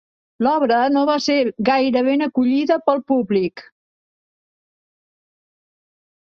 L'obra no va ser gaire ben acollida pel públic.